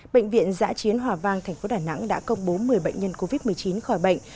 bệnh viện giã chiến hòa vang thành phố đà nẵng đã công bố một mươi bệnh nhân covid một mươi chín khỏi bệnh